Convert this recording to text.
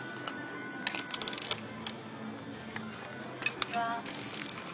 こんにちは。